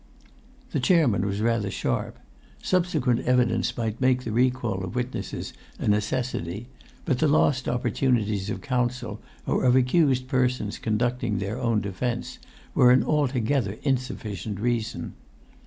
The chairman was rather sharp: subsequent evidence might make the recall of witnesses a necessity, but the lost opportunities of counsel, or of accused persons conducting their own defence, were an altogether insufficient reason.